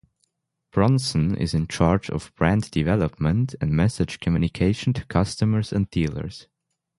Bronson is in charge of brand development and message communication to customers and dealers.